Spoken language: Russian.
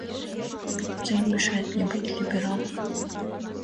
Это не мешает мне быть либералом.